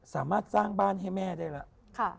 สามารถสร้างบ้านให้แม่ได้แล้ว